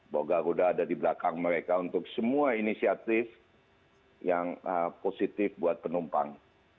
bahwa garuda ada di belakang mereka untuk semua inisiatif yang positif buat penumpang